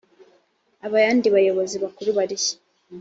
abandi bayobozi bakuru barihe